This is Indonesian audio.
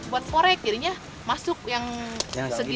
buat forek masuk yang segini